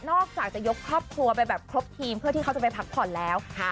อกจากจะยกครอบครัวไปแบบครบทีมเพื่อที่เขาจะไปพักผ่อนแล้ว